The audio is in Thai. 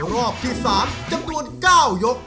รอบที่๓จำนวน๙ยก